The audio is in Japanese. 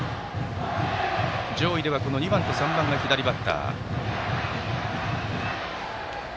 上位では２番と３番が左バッター。